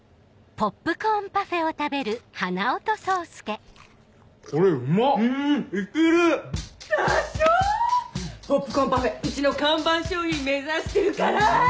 ⁉ポップコーンパフェうちの看板商品目指してるから！